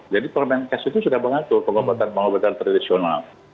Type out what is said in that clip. jadi kemenkes itu sudah mengatur pengobatan pengobatan tradisional